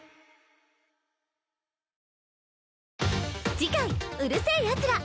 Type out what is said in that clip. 次回『うる星やつら』